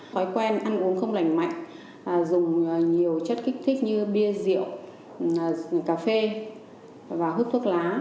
thói quen ăn uống không lành mạnh dùng nhiều chất kích thích như bia rượu cà phê và hút thuốc lá